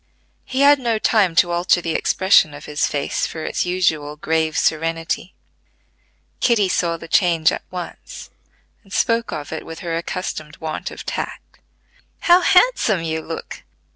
He had no time to alter the expression of his face for its usual grave serenity: Kitty saw the change at once, and spoke of it with her accustomed want of tact. "How handsome you look!